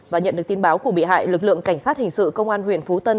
và nhận được tin báo của bị hại lực lượng cảnh sát hình sự công an huyện phú tân